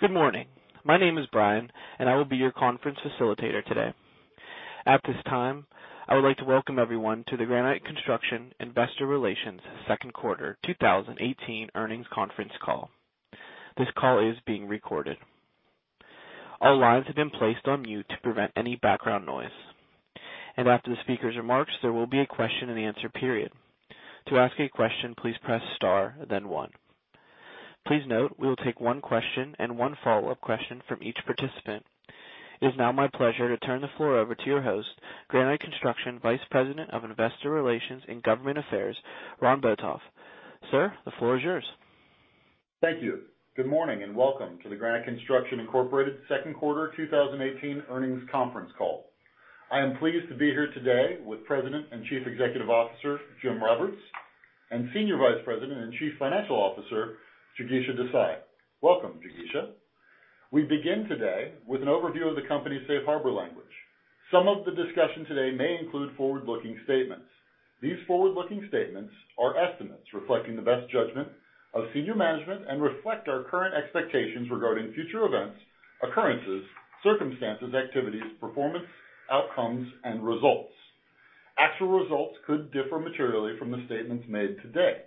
Good morning. My name is Brian, and I will be your conference facilitator today. At this time, I would like to welcome everyone to the Granite Construction Investor Relations Second Quarter 2018 Earnings Conference Call. This call is being recorded. All lines have been placed on mute to prevent any background noise. After the speaker's remarks, there will be a question-and-answer period. To ask a question, please press star, then one. Please note, we will take one question and one follow-up question from each participant. It is now my pleasure to turn the floor over to your host, Granite Construction Vice President of Investor Relations and Government Affairs, Ron Botoff. Sir, the floor is yours. Thank you. Good morning and welcome to the Granite Construction Incorporated Second Quarter 2018 Earnings Conference Call. I am pleased to be here today with President and Chief Executive Officer Jim Roberts and Senior Vice President and Chief Financial Officer Jigisha Desai. Welcome, Jigisha. We begin today with an overview of the company's safe harbor language. Some of the discussion today may include forward-looking statements. These forward-looking statements are estimates reflecting the best judgment of senior management and reflect our current expectations regarding future events, occurrences, circumstances, activities, performance, outcomes, and results. Actual results could differ materially from the statements made today.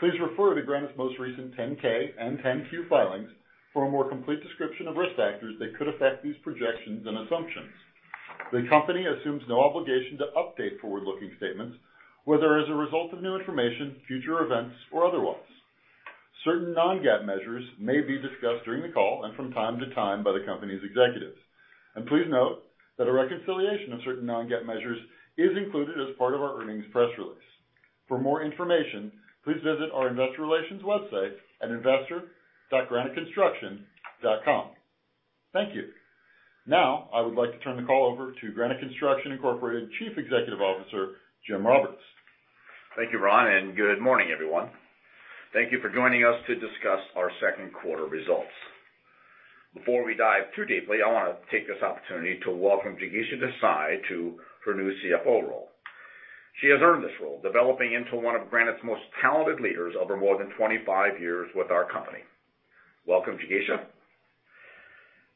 Please refer to Granite's most recent 10-K and 10-Q filings for a more complete description of risk factors that could affect these projections and assumptions. The company assumes no obligation to update forward-looking statements, whether as a result of new information, future events, or otherwise. Certain non-GAAP measures may be discussed during the call and from time to time by the company's executives. Please note that a reconciliation of certain non-GAAP measures is included as part of our earnings press release. For more information, please visit our investor relations website at investor.graniteconstruction.com. Thank you. Now, I would like to turn the call over to Granite Construction Incorporated Chief Executive Officer Jim Roberts. Thank you, Ron, and good morning, everyone. Thank you for joining us to discuss our second quarter results. Before we dive too deeply, I want to take this opportunity to welcome Jigisha Desai to her new CFO role. She has earned this role, developing into one of Granite's most talented leaders over more than 25 years with our company. Welcome, Jigisha.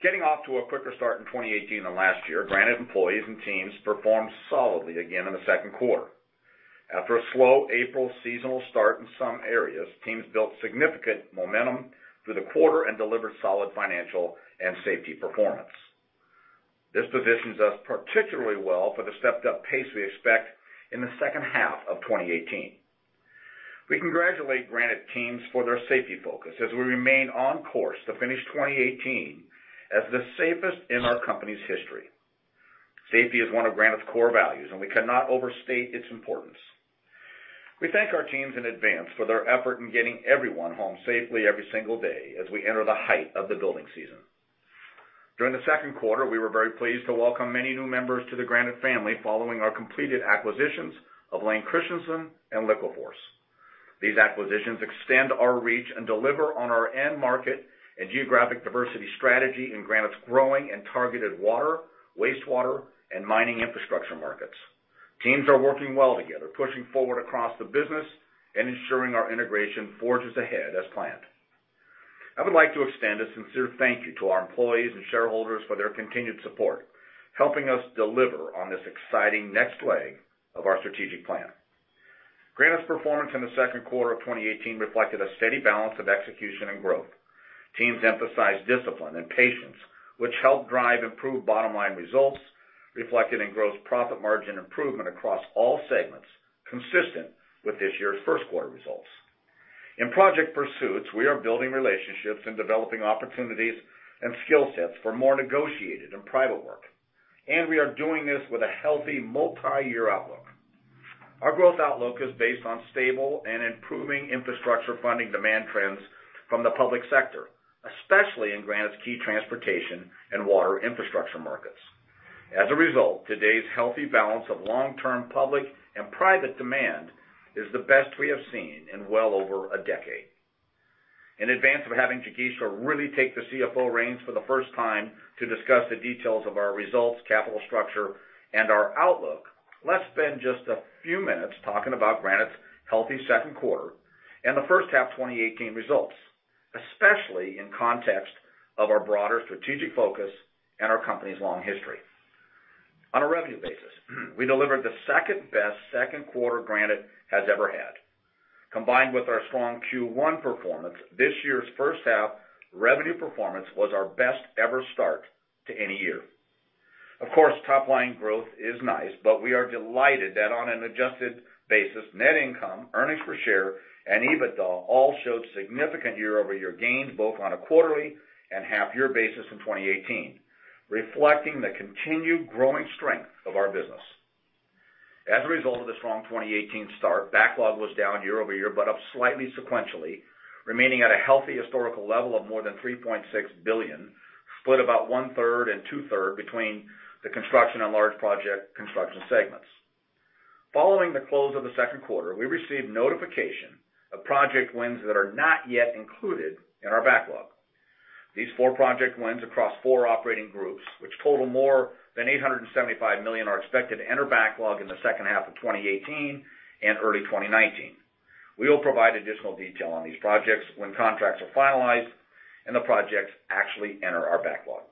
Getting off to a quicker start in 2018 than last year, Granite employees and teams performed solidly again in the second quarter. After a slow April seasonal start in some areas, teams built significant momentum through the quarter and delivered solid financial and safety performance. This positions us particularly well for the stepped-up pace we expect in the second half of 2018. We congratulate Granite teams for their safety focus as we remain on course to finish 2018 as the safest in our company's history. Safety is one of Granite's core values, and we cannot overstate its importance. We thank our teams in advance for their effort in getting everyone home safely every single day as we enter the height of the building season. During the second quarter, we were very pleased to welcome many new members to the Granite family following our completed acquisitions of Layne Christensen and LiquiForce. These acquisitions extend our reach and deliver on our end market and geographic diversity strategy in Granite's growing and targeted water, wastewater, and mining infrastructure markets. Teams are working well together, pushing forward across the business and ensuring our integration forges ahead as planned. I would like to extend a sincere thank you to our employees and shareholders for their continued support, helping us deliver on this exciting next leg of our strategic plan. Granite's performance in the second quarter of 2018 reflected a steady balance of execution and growth. Teams emphasized discipline and patience, which helped drive improved bottom-line results, reflected in gross profit margin improvement across all segments, consistent with this year's first quarter results. In project pursuits, we are building relationships and developing opportunities and skill sets for more negotiated and private work, and we are doing this with a healthy multi-year outlook. Our growth outlook is based on stable and improving infrastructure funding demand trends from the public sector, especially in Granite's key transportation and water infrastructure markets. As a result, today's healthy balance of long-term public and private demand is the best we have seen in well over a decade. In advance of having Jigisha really take the CFO reins for the first time to discuss the details of our results, capital structure, and our outlook, let's spend just a few minutes talking about Granite's healthy second quarter and the first half 2018 results, especially in context of our broader strategic focus and our company's long history. On a revenue basis, we delivered the second-best second quarter Granite has ever had. Combined with our strong Q1 performance, this year's first half revenue performance was our best-ever start to any year. Of course, top-line growth is nice, but we are delighted that on an adjusted basis, net income, earnings per share, and EBITDA all showed significant year-over-year gains both on a quarterly and half-year basis in 2018, reflecting the continued growing strength of our business. As a result of the strong 2018 start, backlog was down year-over-year but up slightly sequentially, remaining at a healthy historical level of more than $3.6 billion, split about one-third and two-thirds between the construction and large project construction segments. Following the close of the second quarter, we received notification of project wins that are not yet included in our backlog. These four project wins across four operating groups, which total more than $875 million, are expected to enter backlog in the second half of 2018 and early 2019. We will provide additional detail on these projects when contracts are finalized and the projects actually enter our backlog.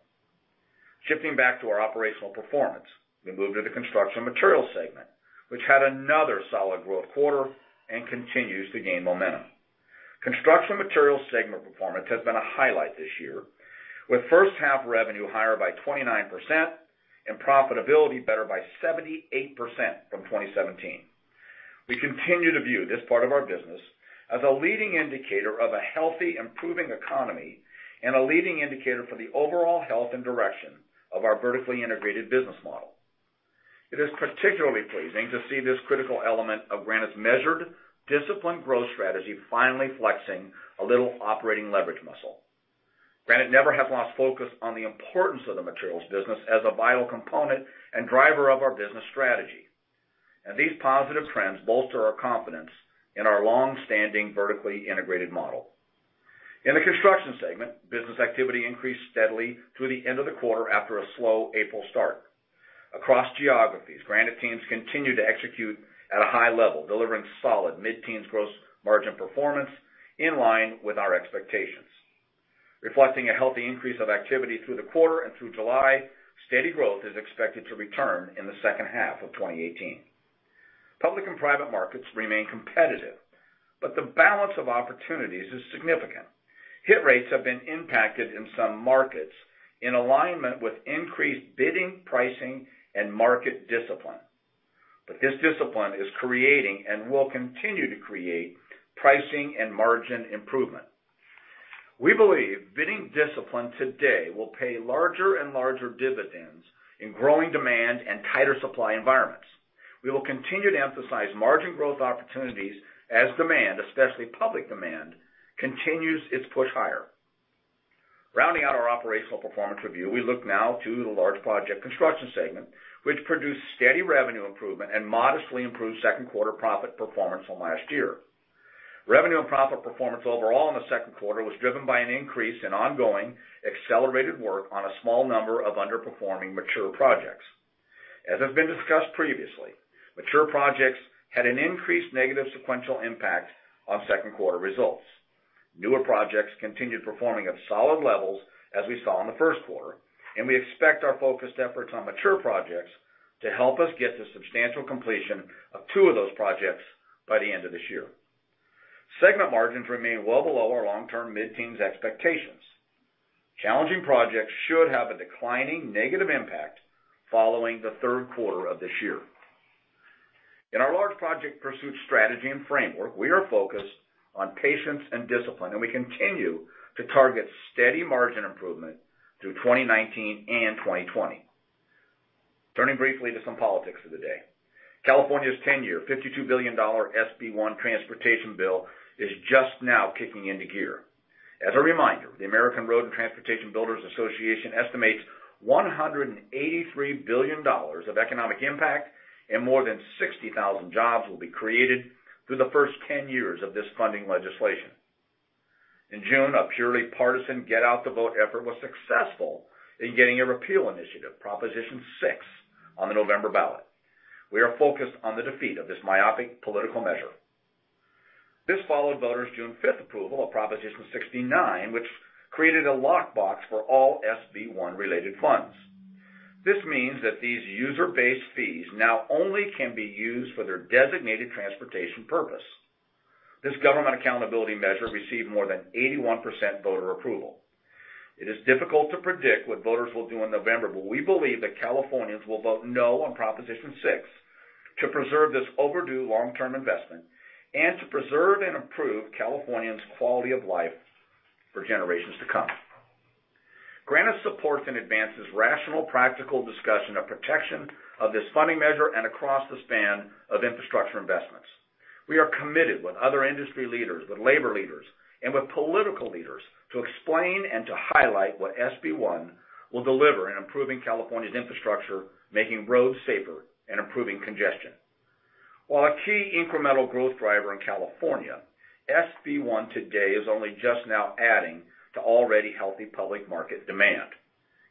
Shifting back to our operational performance, we moved to the construction materials segment, which had another solid growth quarter and continues to gain momentum. Construction materials segment performance has been a highlight this year, with first-half revenue higher by 29% and profitability better by 78% from 2017. We continue to view this part of our business as a leading indicator of a healthy, improving economy and a leading indicator for the overall health and direction of our vertically integrated business model. It is particularly pleasing to see this critical element of Granite's measured, disciplined growth strategy finally flexing a little operating leverage muscle. Granite never has lost focus on the importance of the materials business as a vital component and driver of our business strategy, and these positive trends bolster our confidence in our long-standing vertically integrated model. In the construction segment, business activity increased steadily through the end of the quarter after a slow April start. Across geographies, Granite teams continue to execute at a high level, delivering solid mid-teens gross margin performance in line with our expectations. Reflecting a healthy increase of activity through the quarter and through July, steady growth is expected to return in the second half of 2018. Public and private markets remain competitive, but the balance of opportunities is significant. Hit rates have been impacted in some markets in alignment with increased bidding, pricing, and market discipline, but this discipline is creating and will continue to create pricing and margin improvement. We believe bidding discipline today will pay larger and larger dividends in growing demand and tighter supply environments. We will continue to emphasize margin growth opportunities as demand, especially public demand, continues its push higher. Rounding out our operational performance review, we look now to the large project construction segment, which produced steady revenue improvement and modestly improved second quarter profit performance from last year. Revenue and profit performance overall in the second quarter was driven by an increase in ongoing accelerated work on a small number of underperforming mature projects. As has been discussed previously, mature projects had an increased negative sequential impact on second quarter results. Newer projects continued performing at solid levels as we saw in the first quarter, and we expect our focused efforts on mature projects to help us get to substantial completion of two of those projects by the end of this year. Segment margins remain well below our long-term mid-teens expectations. Challenging projects should have a declining negative impact following the third quarter of this year. In our large project pursuit strategy and framework, we are focused on patience and discipline, and we continue to target steady margin improvement through 2019 and 2020. Turning briefly to some politics of the day, California's 10-year, $52 billion SB 1 transportation bill is just now kicking into gear. As a reminder, the American Road and Transportation Builders Association estimates $183 billion of economic impact, and more than 60,000 jobs will be created through the first 10 years of this funding legislation. In June, a purely partisan get-out-the-vote effort was successful in getting a repeal initiative, Proposition 6, on the November ballot. We are focused on the defeat of this myopic political measure. This followed voters' June 5th approval of Proposition 69, which created a lockbox for all SB 1-related funds. This means that these user-based fees now only can be used for their designated transportation purpose. This government accountability measure received more than 81% voter approval. It is difficult to predict what voters will do in November, but we believe that Californians will vote no on Proposition 6 to preserve this overdue long-term investment and to preserve and improve Californians' quality of life for generations to come. Granite supports and advances rational, practical discussion of protection of this funding measure and across the span of infrastructure investments. We are committed with other industry leaders, with labor leaders, and with political leaders to explain and to highlight what SB 1 will deliver in improving California's infrastructure, making roads safer, and improving congestion. While a key incremental growth driver in California, SB 1 today is only just now adding to already healthy public market demand.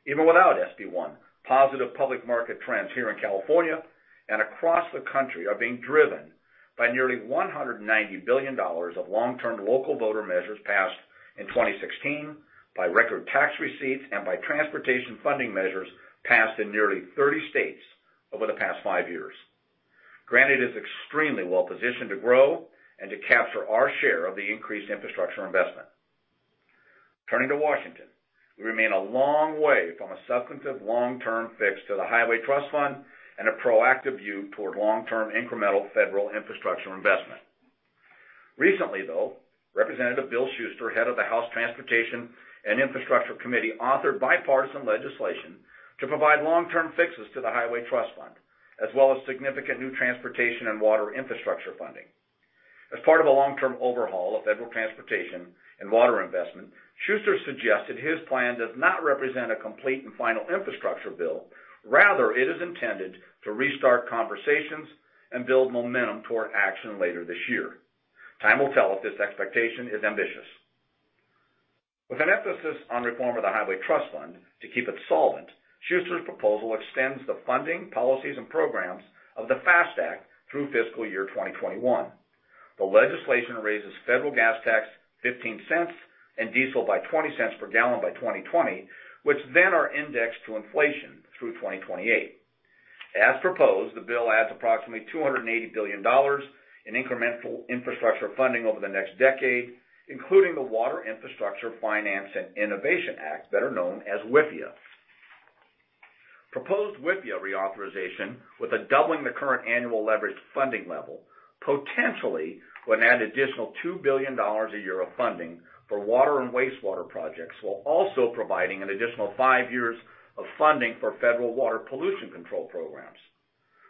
Even without SB 1, positive public market trends here in California and across the country are being driven by nearly $190 billion of long-term local voter measures passed in 2016, by record tax receipts, and by transportation funding measures passed in nearly 30 states over the past five years. Granite is extremely well-positioned to grow and to capture our share of the increased infrastructure investment. Turning to Washington, we remain a long way from a substantive long-term fix to the Highway Trust Fund and a proactive view toward long-term incremental federal infrastructure investment. Recently, though, Representative Bill Shuster, head of the House Transportation and Infrastructure Committee, authored bipartisan legislation to provide long-term fixes to the Highway Trust Fund, as well as significant new transportation and water infrastructure funding. As part of a long-term overhaul of federal transportation and water investment, Shuster suggested his plan does not represent a complete and final infrastructure bill. Rather, it is intended to restart conversations and build momentum toward action later this year. Time will tell if this expectation is ambitious. With an emphasis on reform of the Highway Trust Fund to keep it solvent, Shuster's proposal extends the funding, policies, and programs of the FAST Act through fiscal year 2021. The legislation raises federal gas tax $0.15 and diesel by $0.20 per gallon by 2020, which then are indexed to inflation through 2028. As proposed, the bill adds approximately $280 billion in incremental infrastructure funding over the next decade, including the Water Infrastructure Finance and Innovation Act that are known as WIFIA. Proposed WIFIA reauthorization, with a doubling the current annual leverage funding level, potentially would add an additional $2 billion a year of funding for water and wastewater projects, while also providing an additional five years of funding for federal water pollution control programs.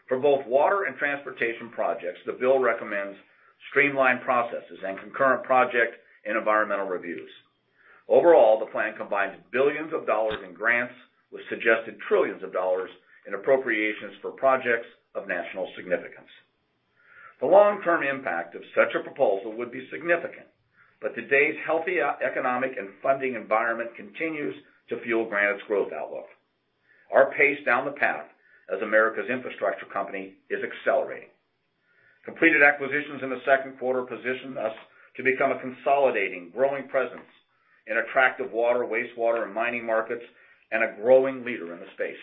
For both water and transportation projects, the bill recommends streamlined processes and concurrent project and environmental reviews. Overall, the plan combines billions of dollars in grants with suggested trillions of dollars in appropriations for projects of national significance. The long-term impact of such a proposal would be significant, but today's healthy economic and funding environment continues to fuel Granite's growth outlook. Our pace down the path as America's infrastructure company is accelerating. Completed acquisitions in the second quarter position us to become a consolidating, growing presence in attractive water, wastewater, and mining markets and a growing leader in the space.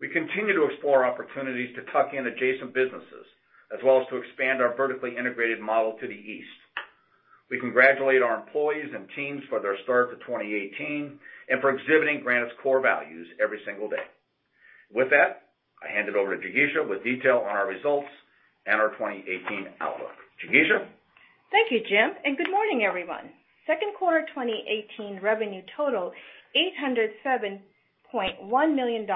We continue to explore opportunities to tuck in adjacent businesses, as well as to expand our vertically integrated model to the east. We congratulate our employees and teams for their start to 2018 and for exhibiting Granite's core values every single day. With that, I hand it over to Jigisha with detail on our results and our 2018 outlook. Jigisha. Thank you, Jim, and good morning, everyone. Second quarter 2018 revenue totaled $807.1 million,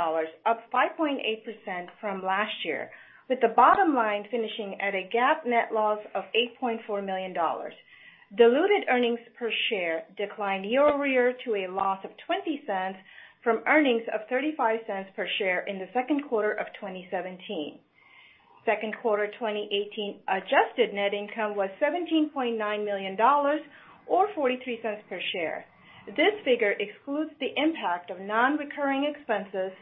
up 5.8% from last year, with the bottom line finishing at a GAAP net loss of $8.4 million. Diluted earnings per share declined year-over-year to a loss of $0.20 from earnings of $0.35 per share in the second quarter of 2017. Second quarter 2018 adjusted net income was $17.9 million, or $0.43 per share. This figure excludes the impact of non-recurring expenses,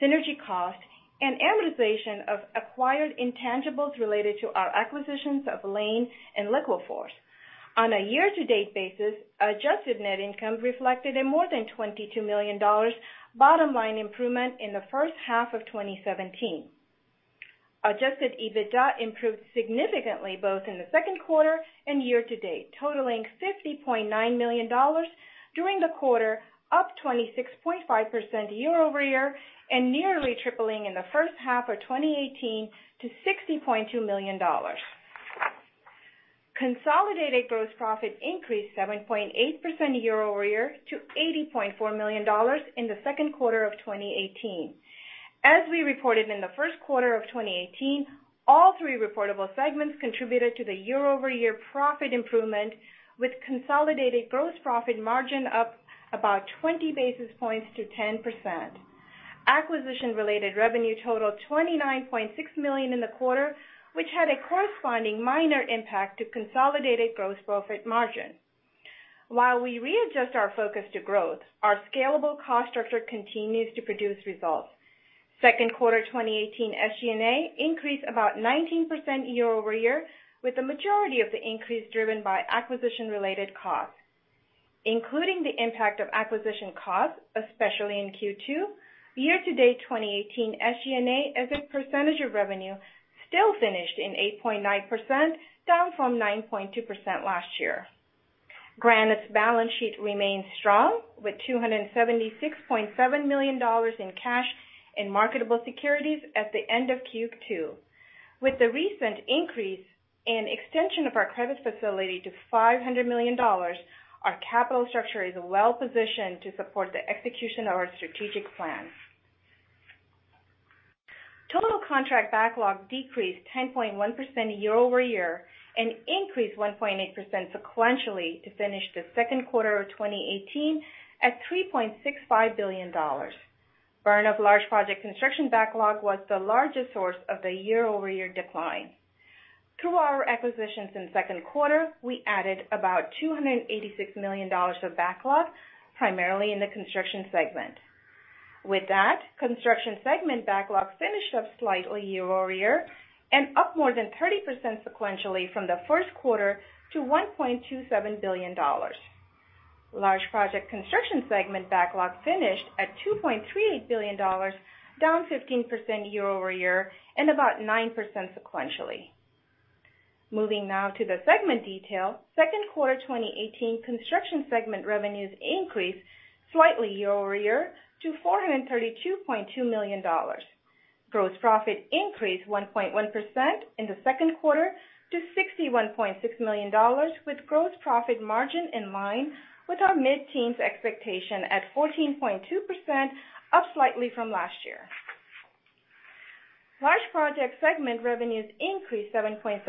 synergy cost, and amortization of acquired intangibles related to our acquisitions of Layne and LiquiForce. On a year-to-date basis, adjusted net income reflected a more than $22 million bottom line improvement in the first half of 2017. Adjusted EBITDA improved significantly both in the second quarter and year-to-date, totaling $50.9 million during the quarter, up 26.5% year-over-year and nearly tripling in the first half of 2018 to $60.2 million. Consolidated gross profit increased 7.8% year-over-year to $80.4 million in the second quarter of 2018. As we reported in the first quarter of 2018, all three reportable segments contributed to the year-over-year profit improvement, with consolidated gross profit margin up about 20 basis points to 10%. Acquisition-related revenue totaled $29.6 million in the quarter, which had a corresponding minor impact to consolidated gross profit margin. While we readjust our focus to growth, our scalable cost structure continues to produce results. Second quarter 2018 SG&A increased about 19% year-over-year, with the majority of the increase driven by acquisition-related costs, including the impact of acquisition costs, especially in Q2. Year-to-date 2018 SG&A as a percentage of revenue still finished in 8.9%, down from 9.2% last year. Granite's balance sheet remains strong, with $276.7 million in cash and marketable securities at the end of Q2. With the recent increase and extension of our credit facility to $500 million, our capital structure is well-positioned to support the execution of our strategic plan. Total contract backlog decreased 10.1% year-over-year and increased 1.8% sequentially to finish the second quarter of 2018 at $3.65 billion. Burn of large project construction backlog was the largest source of the year-over-year decline. Through our acquisitions in the second quarter, we added about $286 million of backlog, primarily in the construction segment. With that, construction segment backlog finished up slightly year-over-year and up more than 30% sequentially from the first quarter to $1.27 billion. Large project construction segment backlog finished at $2.38 billion, down 15% year-over-year and about 9% sequentially. Moving now to the segment detail, second quarter 2018 construction segment revenues increased slightly year-over-year to $432.2 million. Gross profit increased 1.1% in the second quarter to $61.6 million, with gross profit margin in line with our mid-teens expectation at 14.2%, up slightly from last year. Large project segment revenues increased 7.7%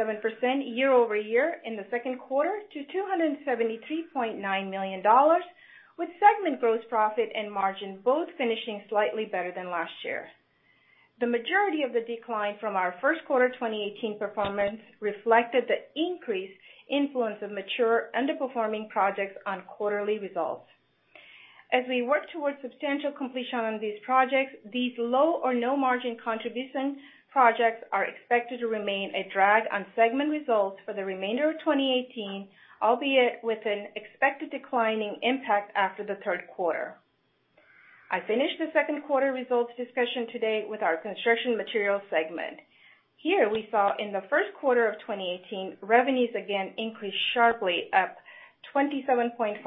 year-over-year in the second quarter to $273.9 million, with segment gross profit and margin both finishing slightly better than last year. The majority of the decline from our first quarter 2018 performance reflected the increased influence of mature underperforming projects on quarterly results. As we work toward substantial completion on these projects, these low or no-margin contribution projects are expected to remain a drag on segment results for the remainder of 2018, albeit with an expected declining impact after the third quarter. I finished the second quarter results discussion today with our construction materials segment. Here, we saw in the first quarter of 2018, revenues again increased sharply, up 27.5%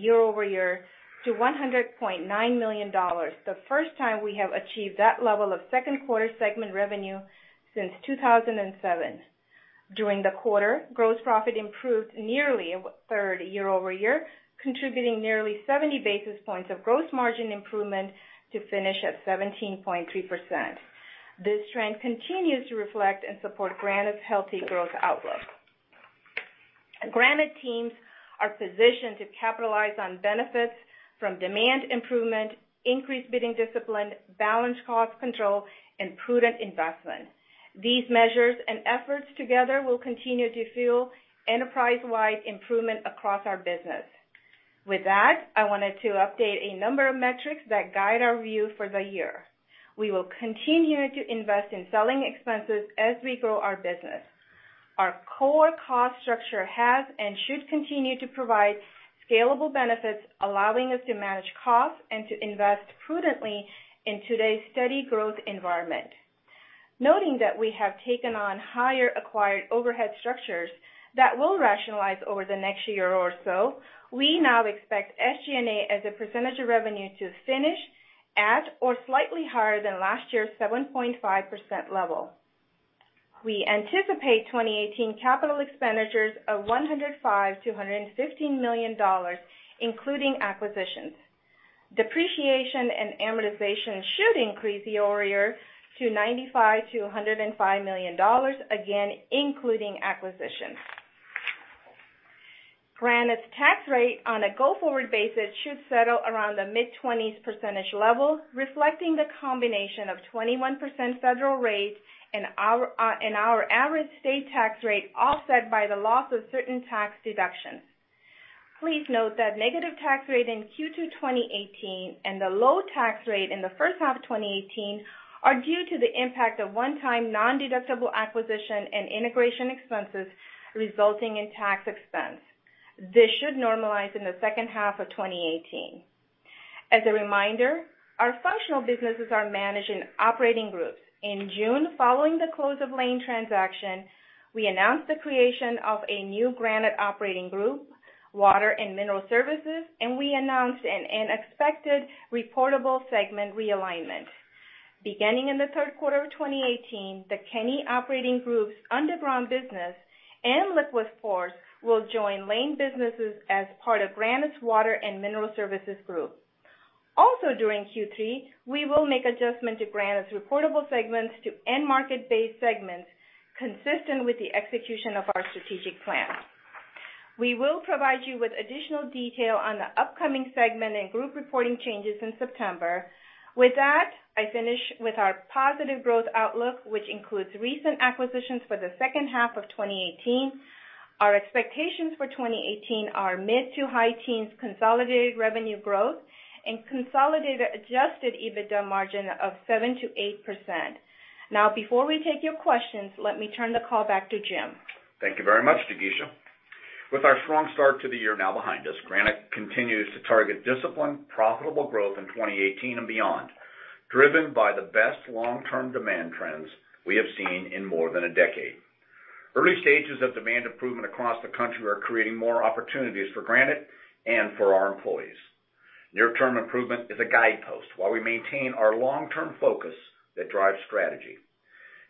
year-over-year to $100.9 million, the first time we have achieved that level of second quarter segment revenue since 2007. During the quarter, gross profit improved nearly a third year-over-year, contributing nearly 70 basis points of gross margin improvement to finish at 17.3%. This trend continues to reflect and support Granite's healthy growth outlook. Granite teams are positioned to capitalize on benefits from demand improvement, increased bidding discipline, balanced cost control, and prudent investment. These measures and efforts together will continue to fuel enterprise-wide improvement across our business. With that, I wanted to update a number of metrics that guide our view for the year. We will continue to invest in selling expenses as we grow our business. Our core cost structure has and should continue to provide scalable benefits, allowing us to manage costs and to invest prudently in today's steady growth environment. Noting that we have taken on higher acquired overhead structures that will rationalize over the next year or so, we now expect SG&A as a percentage of revenue to finish at or slightly higher than last year's 7.5% level. We anticipate 2018 capital expenditures of $105 million-$115 million, including acquisitions. Depreciation and amortization should increase year-over-year to $95 million-$105 million, again including acquisitions. Granite's tax rate on a go-forward basis should settle around the mid-20s% level, reflecting the combination of 21% federal rate and our average state tax rate offset by the loss of certain tax deductions. Please note that negative tax rate in Q2 2018 and the low tax rate in the first half of 2018 are due to the impact of one-time non-deductible acquisition and integration expenses resulting in tax expense. This should normalize in the second half of 2018. As a reminder, our functional businesses are managed in operating groups. In June, following the close of Layne transaction, we announced the creation of a new Granite Operating Group, Water and Mineral Services, and we announced an expected reportable segment realignment. Beginning in the third quarter of 2018, the Kenny Operating Group's underground business and LiquiForce will join Layne businesses as part of Granite's Water and Mineral Services Group. Also during Q3, we will make adjustments to Granite's reportable segments to end-market-based segments, consistent with the execution of our strategic plan. We will provide you with additional detail on the upcoming segment and group reporting changes in September. With that, I finish with our positive growth outlook, which includes recent acquisitions for the second half of 2018. Our expectations for 2018 are mid to high teens consolidated revenue growth and consolidated Adjusted EBITDA margin of 7%-8%. Now, before we take your questions, let me turn the call back to Jim. Thank you very much, Jigisha. With our strong start to the year now behind us, Granite continues to target discipline, profitable growth in 2018 and beyond, driven by the best long-term demand trends we have seen in more than a decade. Early stages of demand improvement across the country are creating more opportunities for Granite and for our employees. Near-term improvement is a guidepost while we maintain our long-term focus that drives strategy.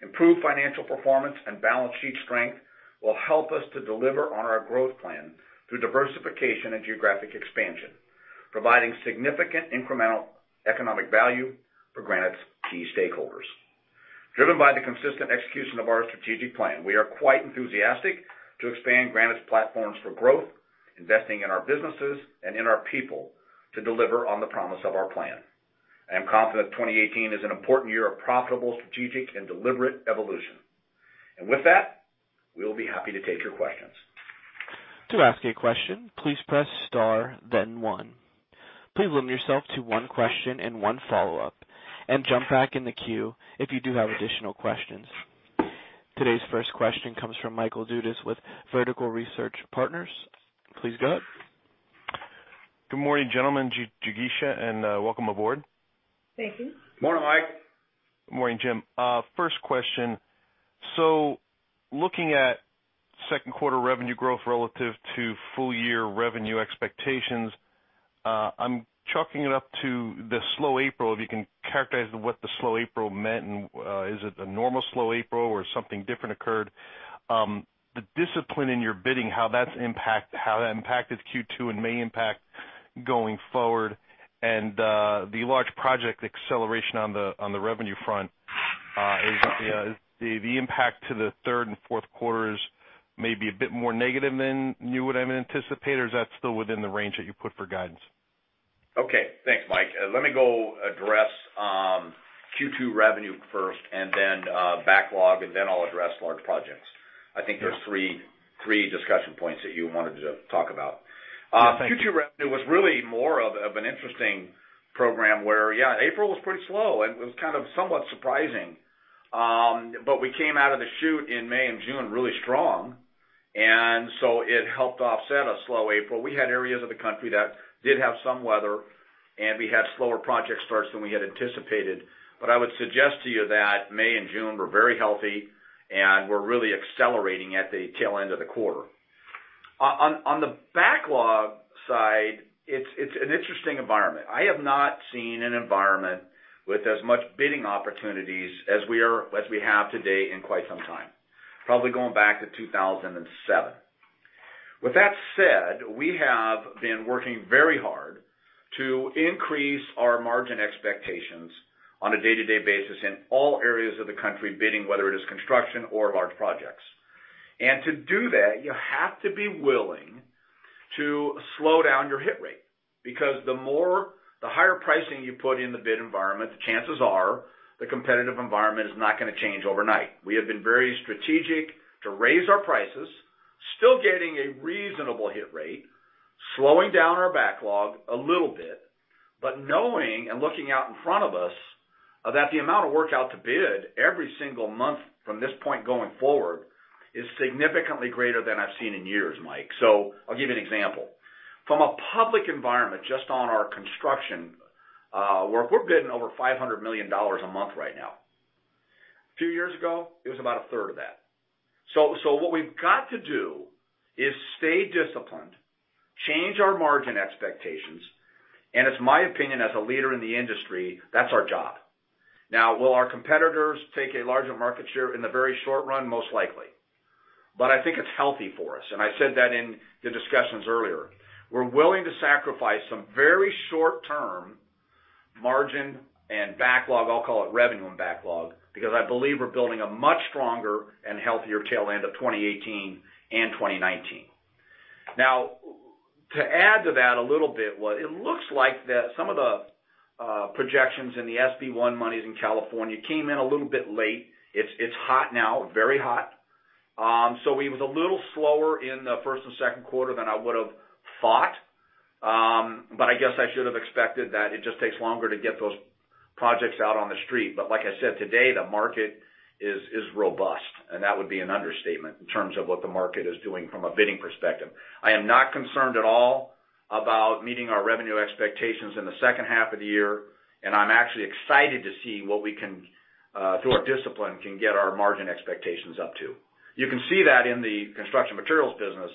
Improved financial performance and balance sheet strength will help us to deliver on our growth plan through diversification and geographic expansion, providing significant incremental economic value for Granite's key stakeholders. Driven by the consistent execution of our strategic plan, we are quite enthusiastic to expand Granite's platforms for growth, investing in our businesses and in our people to deliver on the promise of our plan. I am confident that 2018 is an important year of profitable, strategic, and deliberate evolution. And with that, we will be happy to take your questions. To ask a question, please press star, then one. Please limit yourself to one question and one follow-up, and jump back in the queue if you do have additional questions. Today's first question comes from Michael Dudas with Vertical Research Partners. Please go ahead. Good morning, gentlemen. Jigisha, and welcome aboard. Thank you. Morning, Mike. Good morning, Jim. First question. So looking at second quarter revenue growth relative to full-year revenue expectations, I'm chalking it up to the slow April. If you can characterize what the slow April meant, and is it a normal slow April or something different occurred? The discipline in your bidding, how that's impacted Q2 and may impact going forward, and the large project acceleration on the revenue front, the impact to the third and fourth quarters may be a bit more negative than you would have anticipated. Is that still within the range that you put for guidance? Okay. Thanks, Mike. Let me go address Q2 revenue first and then backlog, and then I'll address large projects. I think there's three discussion points that you wanted to talk about. Q2 revenue was really more of an interesting program where, yeah, April was pretty slow, and it was kind of somewhat surprising. But we came out of the chute in May and June really strong, and so it helped offset a slow April. We had areas of the country that did have some weather, and we had slower project starts than we had anticipated. But I would suggest to you that May and June were very healthy and were really accelerating at the tail end of the quarter. On the backlog side, it's an interesting environment. I have not seen an environment with as much bidding opportunities as we have today in quite some time, probably going back to 2007. With that said, we have been working very hard to increase our margin expectations on a day-to-day basis in all areas of the country bidding, whether it is construction or large projects. And to do that, you have to be willing to slow down your hit rate because the higher pricing you put in the bid environment, the chances are the competitive environment is not going to change overnight. We have been very strategic to raise our prices, still getting a reasonable hit rate, slowing down our backlog a little bit, but knowing and looking out in front of us that the amount of work out to bid every single month from this point going forward is significantly greater than I've seen in years, Mike. So I'll give you an example. From a public environment, just on our construction work, we're bidding over $500 million a month right now. A few years ago, it was about a third of that. So what we've got to do is stay disciplined, change our margin expectations, and it's my opinion as a leader in the industry, that's our job. Now, will our competitors take a larger market share in the very short run? Most likely. But I think it's healthy for us. And I said that in the discussions earlier. We're willing to sacrifice some very short-term margin and backlog, I'll call it revenue and backlog, because I believe we're building a much stronger and healthier tail end of 2018 and 2019. Now, to add to that a little bit, it looks like that some of the projections in the SB 1 monies in California came in a little bit late. It's hot now, very hot. So we were a little slower in the first and second quarter than I would have thought. But I guess I should have expected that it just takes longer to get those projects out on the street. But like I said, today, the market is robust, and that would be an understatement in terms of what the market is doing from a bidding perspective. I am not concerned at all about meeting our revenue expectations in the second half of the year, and I'm actually excited to see what we can, through our discipline, can get our margin expectations up to. You can see that in the construction materials business.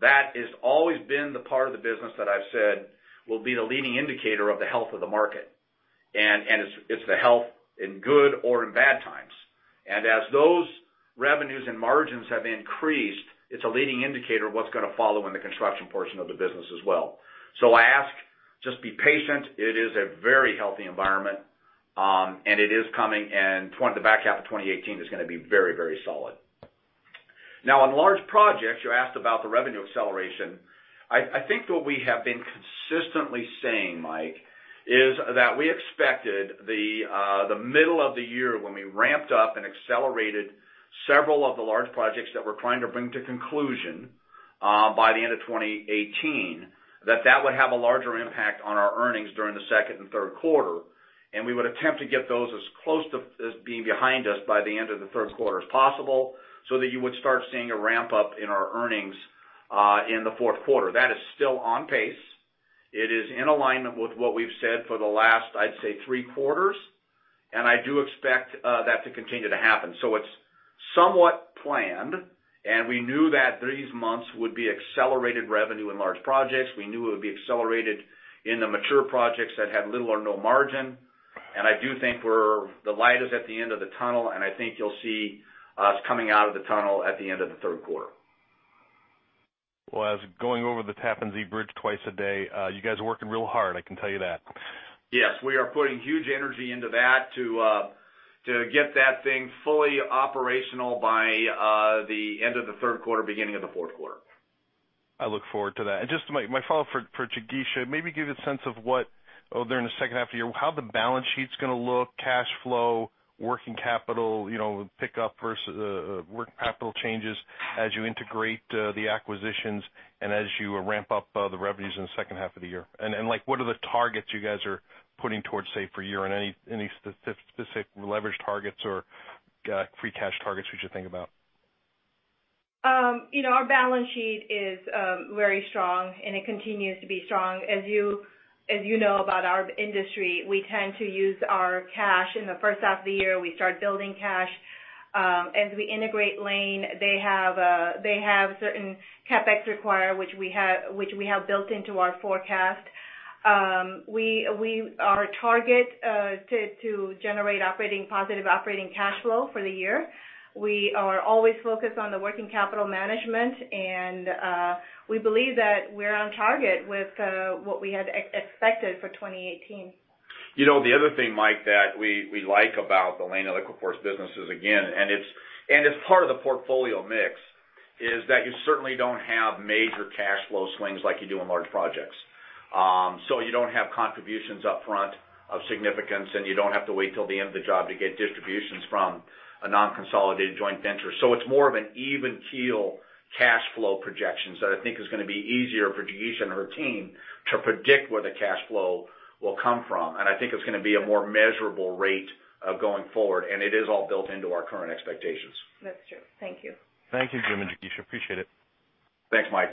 That has always been the part of the business that I've said will be the leading indicator of the health of the market. And it's the health in good or in bad times. And as those revenues and margins have increased, it's a leading indicator of what's going to follow in the construction portion of the business as well. So I ask, just be patient. It is a very healthy environment, and it is coming, and the back half of 2018 is going to be very, very solid. Now, on large projects, you asked about the revenue acceleration. I think what we have been consistently saying, Mike, is that we expected the middle of the year when we ramped up and accelerated several of the large projects that we're trying to bring to conclusion by the end of 2018, that that would have a larger impact on our earnings during the second and third quarter. And we would attempt to get those as close to being behind us by the end of the third quarter as possible so that you would start seeing a ramp-up in our earnings in the fourth quarter. That is still on pace. It is in alignment with what we've said for the last, I'd say, 3 quarters. And I do expect that to continue to happen. So it's somewhat planned, and we knew that these months would be accelerated revenue in large projects. We knew it would be accelerated in the mature projects that had little or no margin. And I do think we're the light is at the end of the tunnel, and I think you'll see us coming out of the tunnel at the end of the third quarter. Well, as going over the Tappan Zee Bridge twice a day, you guys are working real hard. I can tell you that. Yes. We are putting huge energy into that to get that thing fully operational by the end of the third quarter, beginning of the fourth quarter. I look forward to that. Just my follow-up for Jigisha, maybe give you a sense of what, during the second half of the year, how the balance sheet's going to look, cash flow, working capital, pickup versus working capital changes as you integrate the acquisitions and as you ramp up the revenues in the second half of the year. And what are the targets you guys are putting towards, say, for year? And any specific leverage targets or free cash targets we should think about? Our balance sheet is very strong, and it continues to be strong. As you know about our industry, we tend to use our cash in the first half of the year. We start building cash. As we integrate Layne, they have certain CapEx required, which we have built into our forecast. Our target to generate positive operating cash flow for the year. We are always focused on the working capital management, and we believe that we're on target with what we had expected for 2018. The other thing, Mike, that we like about the Layne and LiquiForce businesses, again, and it's part of the portfolio mix, is that you certainly don't have major cash flow swings like you do in large projects. So you don't have contributions upfront of significance, and you don't have to wait till the end of the job to get distributions from a non-consolidated joint venture. So it's more of an even keel cash flow projection that I think is going to be easier for Jigisha and her team to predict where the cash flow will come from. And I think it's going to be a more measurable rate going forward, and it is all built into our current expectations. That's true. Thank you. Thank you, Jim and Jigisha. Appreciate it. Thanks, Mike.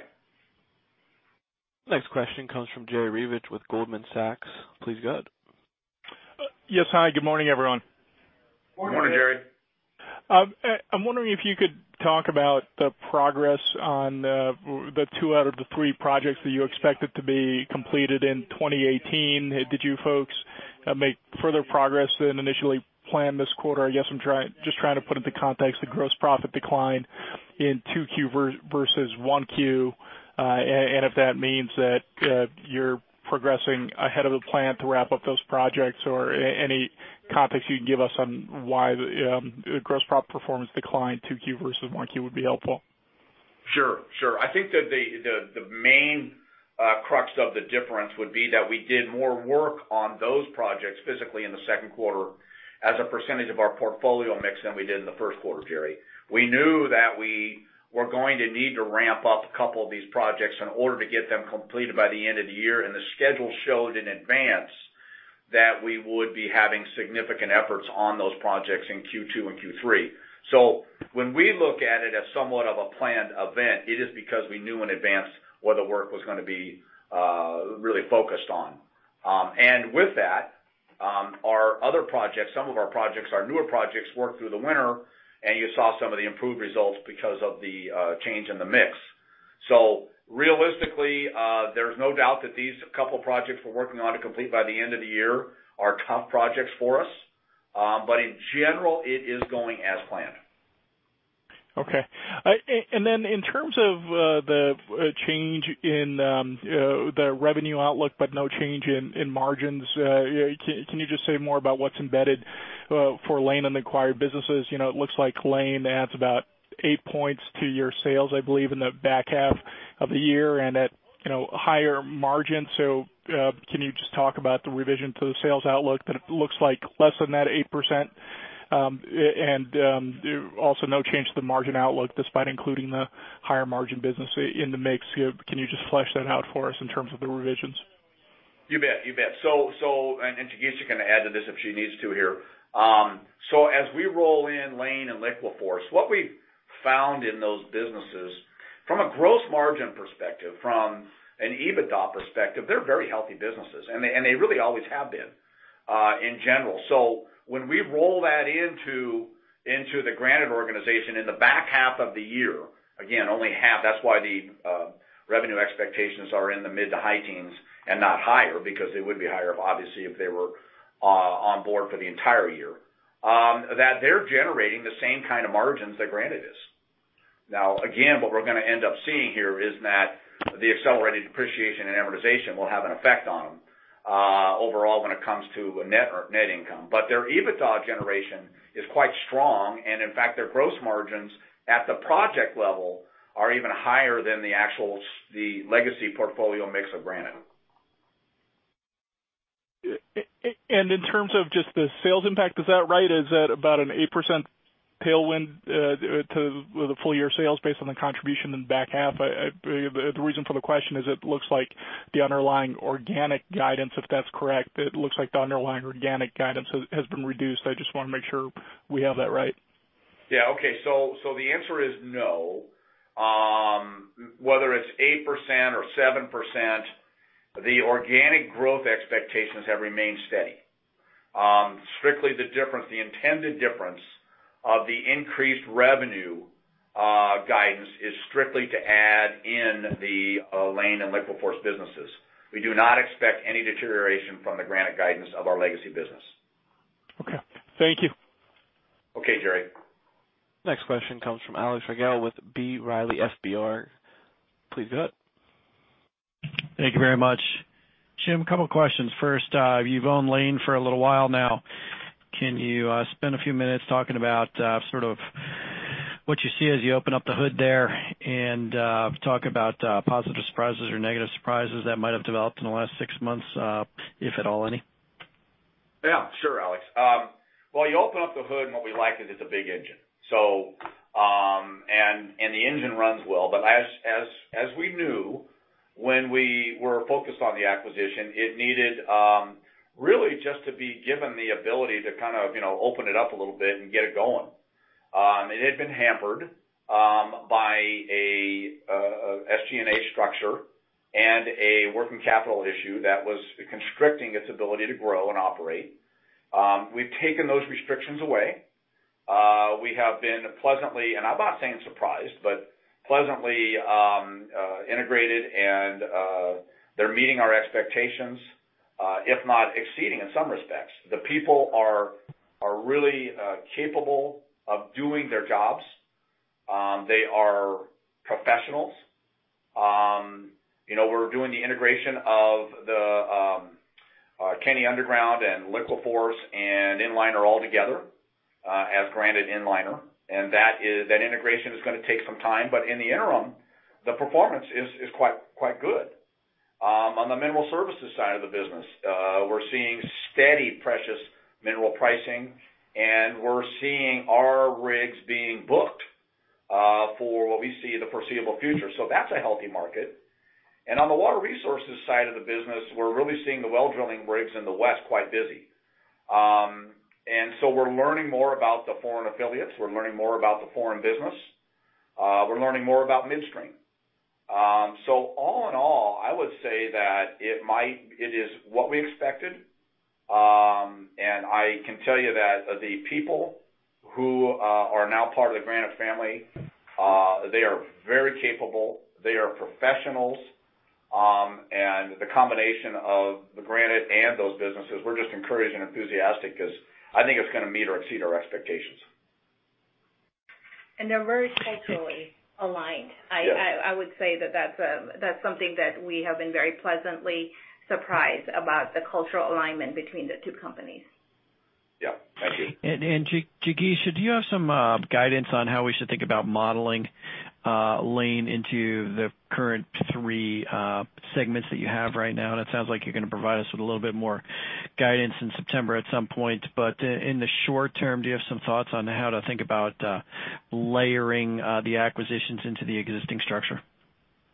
Next question comes from Jerry Revich with Goldman Sachs. Please go ahead. Yes. Hi. Good morning, everyone. Morning, Jerry. I'm wondering if you could talk about the progress on the two out of the three projects that you expected to be completed in 2018. Did you folks make further progress than initially planned this quarter? I guess I'm just trying to put into context the gross profit decline in 2Q versus 1Q, and if that means that you're progressing ahead of the plan to wrap up those projects. Or any context you can give us on why the gross profit performance declined 2Q versus 1Q would be helpful. Sure. Sure. I think that the main crux of the difference would be that we did more work on those projects physically in the second quarter as a percentage of our portfolio mix than we did in the first quarter, Jerry. We knew that we were going to need to ramp up a couple of these projects in order to get them completed by the end of the year. The schedule showed in advance that we would be having significant efforts on those projects in Q2 and Q3. When we look at it as somewhat of a planned event, it is because we knew in advance what the work was going to be really focused on. With that, our other projects, some of our projects, our newer projects worked through the winter, and you saw some of the improved results because of the change in the mix. So realistically, there's no doubt that these couple of projects we're working on to complete by the end of the year are tough projects for us. But in general, it is going as planned. Okay. And then in terms of the change in the revenue outlook but no change in margins, can you just say more about what's embedded for Layne and the acquired businesses? It looks like Layne adds about 8 points to your sales, I believe, in the back half of the year and at higher margins. So can you just talk about the revision to the sales outlook that it looks like less than that 8% and also no change to the margin outlook despite including the higher margin business in the mix? Can you just flesh that out for us in terms of the revisions? You bet. You bet. Jigisha can add to this if she needs to here. So as we roll in Layne and LiquiForce, what we found in those businesses, from a gross margin perspective, from an EBITDA perspective, they're very healthy businesses, and they really always have been in general. So when we roll that into the Granite organization in the back half of the year, again, only half, that's why the revenue expectations are in the mid to high teens and not higher, because they would be higher, obviously, if they were on board for the entire year, that they're generating the same kind of margins that Granite is. Now, again, what we're going to end up seeing here is that the accelerated depreciation and amortization will have an effect on them overall when it comes to net income. But their EBITDA generation is quite strong, and in fact, their gross margins at the project level are even higher than the legacy portfolio mix of Granite. And in terms of just the sales impact, is that right? Is that about an 8% tailwind to the full year sales based on the contribution in the back half? The reason for the question is it looks like the underlying organic guidance, if that's correct, it looks like the underlying organic guidance has been reduced. I just want to make sure we have that right. Yeah. Okay. So the answer is no. Whether it's 8% or 7%, the organic growth expectations have remained steady. Strictly the difference, the intended difference of the increased revenue guidance is strictly to add in the Layne and LiquiForce businesses. We do not expect any deterioration from the Granite guidance of our legacy business. Okay. Thank you. Okay, Jerry. Next question comes from Alex Rygiel with B. Riley FBR. Please go ahead. Thank you very much. Jim, a couple of questions. First, you've owned Layne for a little while now. Can you spend a few minutes talking about sort of what you see as you open up the hood there and talk about positive surprises or negative surprises that might have developed in the last six months, if at all, any? Yeah. Sure, Alex. Well, you open up the hood, and what we like is it's a big engine. And the engine runs well. But as we knew when we were focused on the acquisition, it needed really just to be given the ability to kind of open it up a little bit and get it going. It had been hampered by an SG&A structure and a working capital issue that was constricting its ability to grow and operate. We've taken those restrictions away. We have been pleasantly, and I'm not saying surprised, but pleasantly integrated, and they're meeting our expectations, if not exceeding in some respects. The people are really capable of doing their jobs. They are professionals. We're doing the integration of the Kenny Underground and LiquiForce and Inliner all together as Granite Inliner. That integration is going to take some time. In the interim, the performance is quite good. On the mineral services side of the business, we're seeing steady precious mineral pricing, and we're seeing our rigs being booked for what we see the foreseeable future. That's a healthy market. On the water resources side of the business, we're really seeing the well drilling rigs in the west quite busy. So we're learning more about the foreign affiliates. We're learning more about the foreign business. We're learning more about midstream. So all in all, I would say that it is what we expected. I can tell you that the people who are now part of the Granite family, they are very capable. They are professionals. The combination of the Granite and those businesses, we're just encouraged and enthusiastic because I think it's going to meet or exceed our expectations. They're very culturally aligned. I would say that that's something that we have been very pleasantly surprised about, the cultural alignment between the two companies. Yep. Thank you. And Jigisha, do you have some guidance on how we should think about modeling Layne into the current three segments that you have right now? And it sounds like you're going to provide us with a little bit more guidance in September at some point. But in the short term, do you have some thoughts on how to think about layering the acquisitions into the existing structure?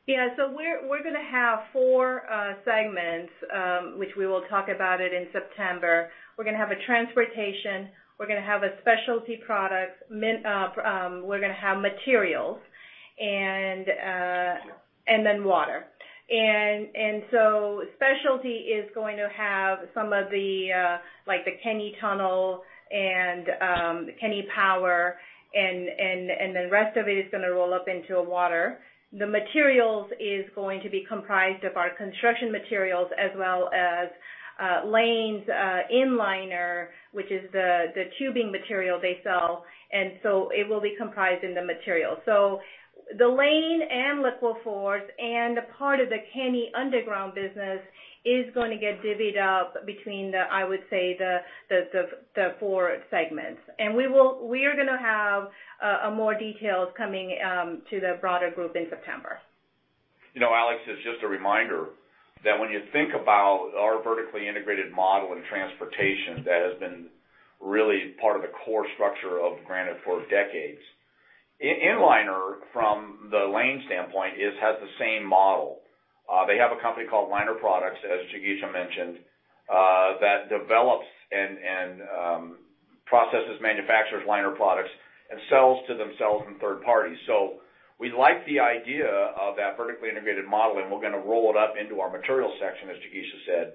Yeah. So we're going to have four segments, which we will talk about in September. We're going to have a transportation. We're going to have specialty products. We're going to have materials, and then water. And so specialty is going to have some of the Kenny Tunnel and Kenny Power, and the rest of it is going to roll up into Water. The materials is going to be comprised of our construction materials as well as Layne's Inliner, which is the tubing material they sell. And so it will be comprised in the materials. So the Layne and LiquiForce and a part of the Kenny Underground business is going to get divvied up between, I would say, the four segments. And we are going to have more details coming to the broader group in September. Alex, it's just a reminder that when you think about our vertically integrated model and transportation that has been really part of the core structure of Granite for decades, Inliner, from the Layne standpoint, has the same model. They have a company called Liner Products, as Jigisha mentioned, that develops and processes, manufactures Liner Products, and sells to themselves and third parties. So we like the idea of that vertically integrated model, and we're going to roll it up into our materials section, as Jigisha said.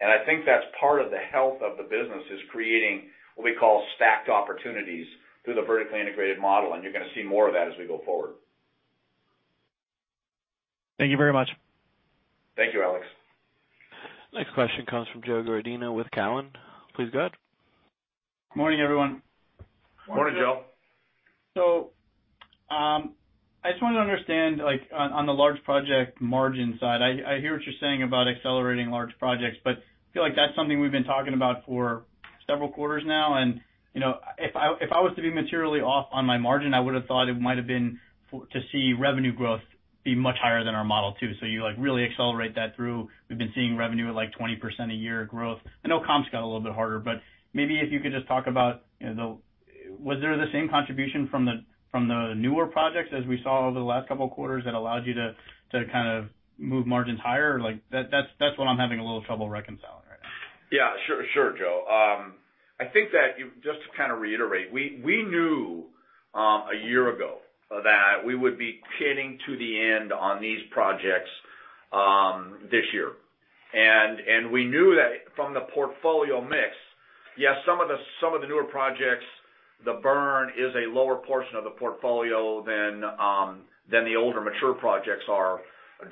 And I think that's part of the health of the business, is creating what we call stacked opportunities through the vertically integrated model. And you're going to see more of that as we go forward. Thank you very much. Thank you, Alex. Next question comes from Joe Giordano with Cowen. Please go ahead. Good morning, everyone. Morning, Joe. So I just wanted to understand, on the large project margin side, I hear what you're saying about accelerating large projects, but I feel like that's something we've been talking about for several quarters now. And if I was to be materially off on my margin, I would have thought it might have been to see revenue growth be much higher than our model too. So you really accelerate that through. We've been seeing revenue at like 20% a year growth. I know comps got a little bit harder, but maybe if you could just talk about, was there the same contribution from the newer projects as we saw over the last couple of quarters that allowed you to kind of move margins higher? That's what I'm having a little trouble reconciling right now. Yeah. Sure, Joe. I think that just to kind of reiterate, we knew a year ago that we would be getting to the end on these projects this year. And we knew that from the portfolio mix, yes, some of the newer projects, the burn is a lower portion of the portfolio than the older mature projects are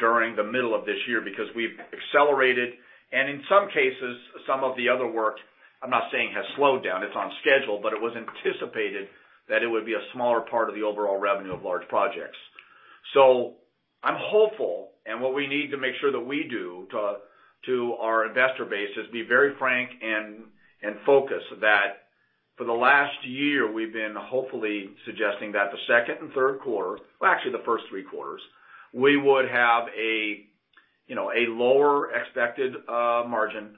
during the middle of this year because we've accelerated. And in some cases, some of the other work, I'm not saying has slowed down. It's on schedule, but it was anticipated that it would be a smaller part of the overall revenue of large projects. So I'm hopeful, and what we need to make sure that we do to our investor base is be very frank and focused that for the last year, we've been hopefully suggesting that the second and third quarter, well, actually the first three quarters, we would have a lower expected margin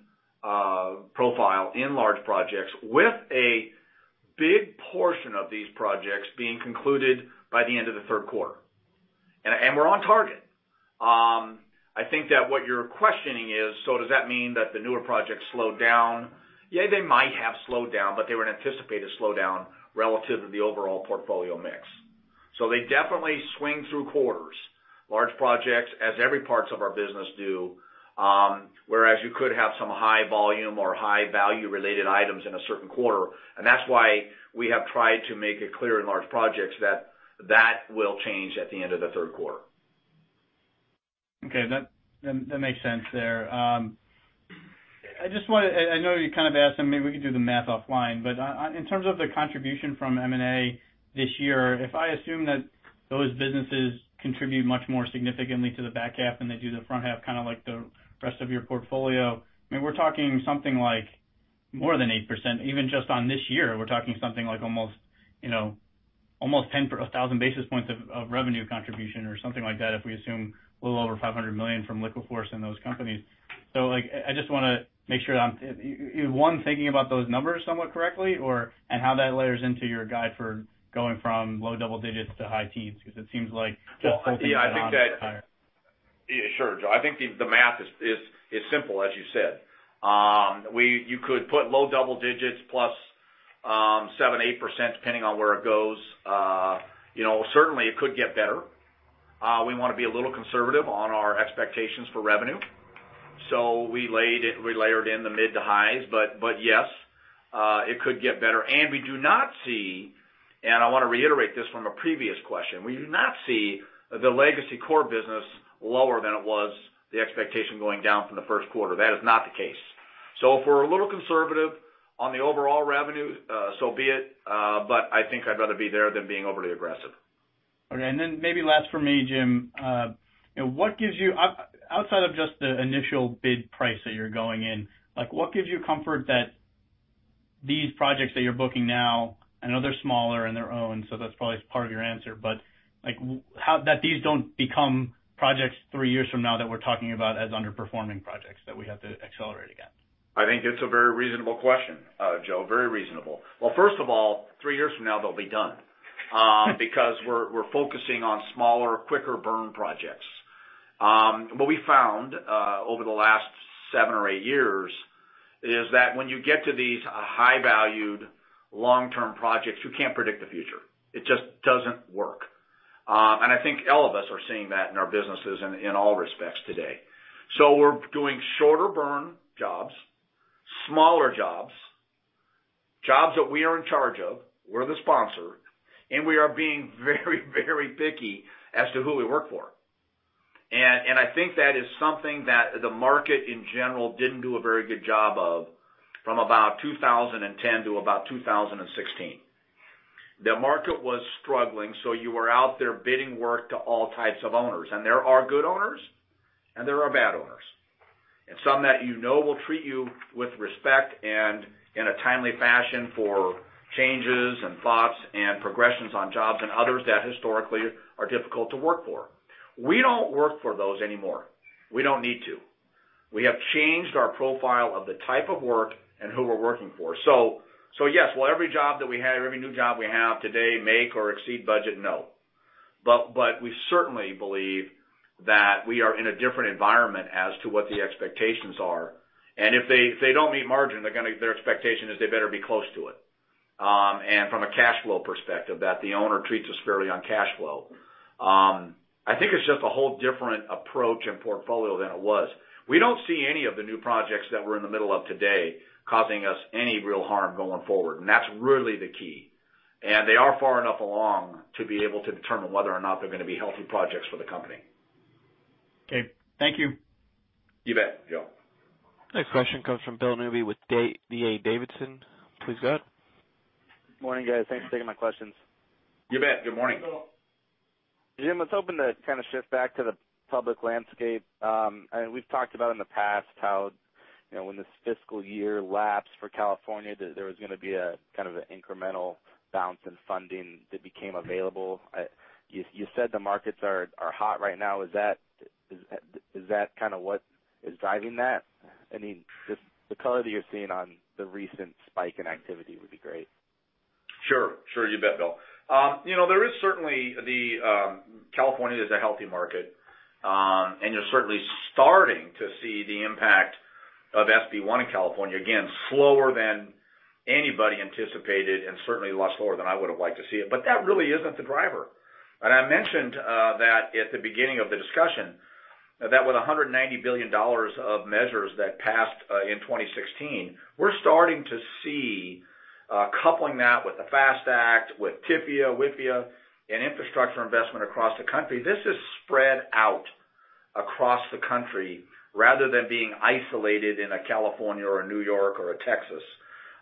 profile in large projects with a big portion of these projects being concluded by the end of the third quarter. And we're on target. I think that what you're questioning is, so does that mean that the newer projects slowed down? Yeah, they might have slowed down, but they were anticipated to slow down relative to the overall portfolio mix. They definitely swing through quarters, large projects, as every parts of our business do, whereas you could have some high volume or high value-related items in a certain quarter. That's why we have tried to make it clear in large projects that that will change at the end of the third quarter. Okay. That makes sense there. I just want to, I know you kind of asked them, maybe we could do the math offline, but in terms of the contribution from M&A this year, if I assume that those businesses contribute much more significantly to the back half than they do the front half, kind of like the rest of your portfolio, I mean, we're talking something like more than 8%. Even just on this year, we're talking something like almost 10,000 basis points of revenue contribution or something like that if we assume a little over $500 million from LiquiForce and those companies. So I just want to make sure that I'm, one, thinking about those numbers somewhat correctly and how that layers into your guide for going from low double digits to high teens because it seems like just holding the average higher. Yeah. Sure, Joe. I think the math is simple, as you said. You could put low double digits +7%-8% depending on where it goes. Certainly, it could get better. We want to be a little conservative on our expectations for revenue. So we layered in the mid to highs. But yes, it could get better. We do not see, and I want to reiterate this from a previous question, we do not see the legacy core business lower than it was the expectation going down from the first quarter. That is not the case. So if we're a little conservative on the overall revenue, so be it, but I think I'd rather be there than being overly aggressive. Okay. Then maybe last for me, Jim, what gives you, outside of just the initial bid price that you're going in, what gives you comfort that these projects that you're booking now, I know they're smaller and they're owned, so that's probably part of your answer, but that these don't become projects three years from now that we're talking about as underperforming projects that we have to accelerate again? I think it's a very reasonable question, Joe. Very reasonable. Well, first of all, three years from now, they'll be done because we're focusing on smaller, quicker burn projects. What we found over the last seven or eight years is that when you get to these high-valued long-term projects, you can't predict the future. It just doesn't work. And I think all of us are seeing that in our businesses in all respects today. So we're doing shorter burn jobs, smaller jobs, jobs that we are in charge of. We're the sponsor, and we are being very, very picky as to who we work for. And I think that is something that the market in general didn't do a very good job of from about 2010 to about 2016. The market was struggling, so you were out there bidding work to all types of owners. And there are good owners, and there are bad owners. And some that you know will treat you with respect and in a timely fashion for changes and thoughts and progressions on jobs and others that historically are difficult to work for. We don't work for those anymore. We don't need to. We have changed our profile of the type of work and who we're working for. So yes, will every job that we have, every new job we have today make or exceed budget? No. But we certainly believe that we are in a different environment as to what the expectations are. And if they don't meet margin, their expectation is they better be close to it. And from a cash flow perspective, that the owner treats us fairly on cash flow. I think it's just a whole different approach and portfolio than it was. We don't see any of the new projects that we're in the middle of today causing us any real harm going forward. And that's really the key. And they are far enough along to be able to determine whether or not they're going to be healthy projects for the company. Okay. Thank you. You bet, Joe. Next question comes from Bill Newby with D.A. Davidson. Please go ahead. Morning, guys. Thanks for taking my questions. You bet. Good morning. Jim, let's open to kind of shift back to the public landscape. And we've talked about in the past how when this fiscal year lapsed for California, there was going to be a kind of incremental bounce in funding that became available. You said the markets are hot right now. Is that kind of what is driving that? I mean, just the color that you're seeing on the recent spike in activity would be great. Sure. Sure. You bet, Bill. There is certainly the California is a healthy market, and you're certainly starting to see the impact of SB 1 in California, again, slower than anybody anticipated and certainly less slower than I would have liked to see it. But that really isn't the driver. And I mentioned that at the beginning of the discussion that with $190 billion of measures that passed in 2016, we're starting to see coupling that with the FAST Act, with TIFIA, WIFIA, and infrastructure investment across the country. This is spread out across the country rather than being isolated in a California or a New York or a Texas.